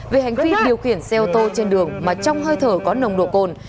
về hành vi điều khiển xe ô tô trên đường mà trong hơi thở có nồng độ cồn